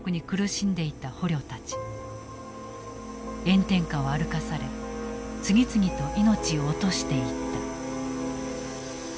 炎天下を歩かされ次々と命を落としていった。